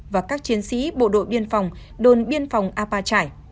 và các chiến sĩ bộ đội biên phòng đồn biên phòng apache